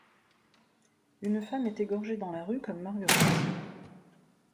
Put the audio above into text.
Une femme est égorgée dans la rue comme Marguerite.